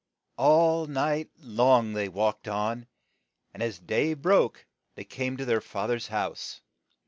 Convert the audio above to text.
All night long they walked on, and as day broke they came to their fath er's house.